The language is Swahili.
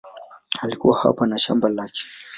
Alikuwa hapa na shamba lake.